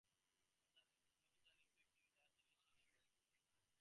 Other proposals impacting The Hills Shire were rejected by the Government.